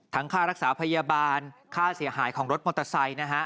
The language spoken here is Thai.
ค่ารักษาพยาบาลค่าเสียหายของรถมอเตอร์ไซค์นะฮะ